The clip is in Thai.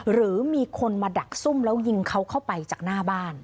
หรือมีคนมาดักซุ่มแล้วยิงเขาเข้าไปจากหน้าบ้าน